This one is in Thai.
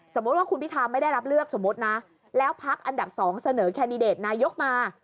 สมมุติว่าคุณพิธาไม่ได้รับเลือกสมมุตินะแล้วพักอันดับ๒เสนอแคนดิเดตนายกมา